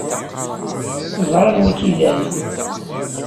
Teẓra anwa ay k-ilan.